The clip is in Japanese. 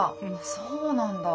そうなんだ。